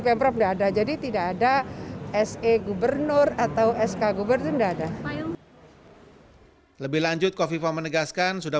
pemprov tidak ada jadi tidak ada se gubernur atau sk gubernur enggak ada lebih lanjut kofifa menegaskan sudah